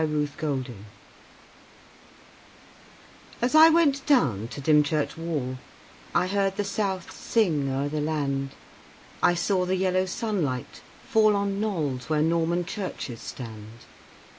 1 Autoplay As I went down to Dymchurch Wall, I heard the South sing o'er the land I saw the yellow sunlight fall On knolls where Norman churches stand.